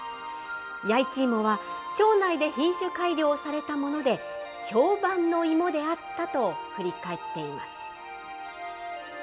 弥一芋は町内で品種改良されたもので、評判の芋であったと振り返っています。